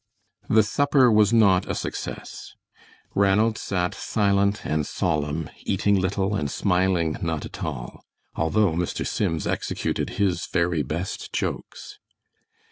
The supper was not a success; Ranald sat silent and solemn, eating little and smiling not at all, although Mr. Sims executed his very best jokes.